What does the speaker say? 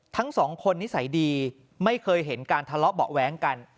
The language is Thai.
ทั้งสองคนนิสัยดีไม่เคยเห็นการทะเลาะเบาะแว้งกัน